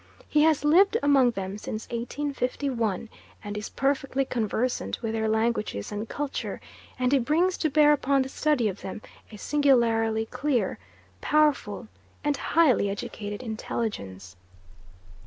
He has lived among them since 1851, and is perfectly conversant with their languages and culture, and he brings to bear upon the study of them a singularly clear, powerful, and highly educated intelligence.